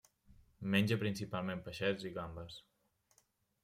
Menja principalment peixets i gambes.